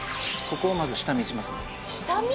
ここをまず下見しますね下見？